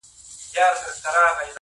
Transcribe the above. نه بارونه وړي نه بل څه ته په کار دی٫